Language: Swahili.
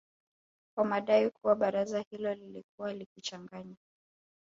kwa madai kuwa baraza hilo lilikuwa likichanganya